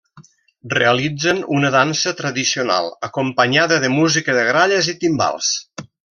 Realitzen una dansa tradicional acompanyada de música de gralles i timbals.